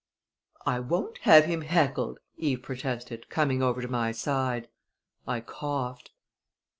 "I won't have him heckled!" Eve protested, coming over to my side. I coughed.